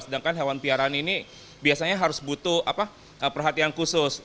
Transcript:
sedangkan hewan piaraan ini biasanya harus butuh perhatian khusus